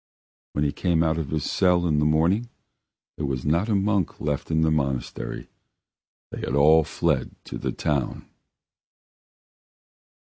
... When he came out of his cell in the morning there was not a monk left in the monastery; they had all fled to the town.